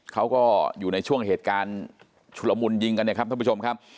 เขาก็อยู่ในช่วงเหตุการณ์ชุดละมุนยิงกันเนี่ยครับท่านผู้ชมครับ